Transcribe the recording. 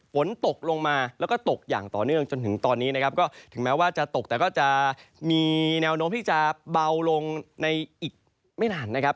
ฝนตกลงมาแล้วก็ตกอย่างต่อเนื่องจนถึงตอนนี้นะครับก็ถึงแม้ว่าจะตกแต่ก็จะมีแนวโน้มที่จะเบาลงในอีกไม่นานนะครับ